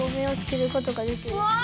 うわ！